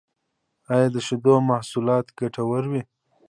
ایا د شیدو محصولات ګټور وی؟